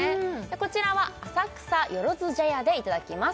こちらは浅草よろず茶屋でいただけます